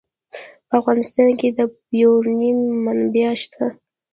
په افغانستان کې د یورانیم منابع شته.